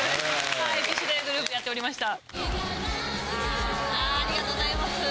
はいＢｉＳＨでグループやっておりました。